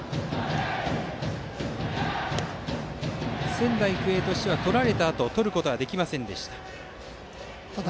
仙台育英としては、取られたあと取ることができませんでしたが。